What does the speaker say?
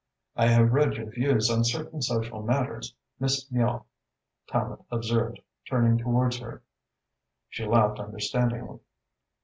"I have read your views on certain social matters, Miss Miall," Tallente observed, turning towards her. She laughed understandingly.